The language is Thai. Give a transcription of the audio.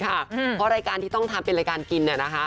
เพราะรายการที่ต้องทำเป็นรายการกิน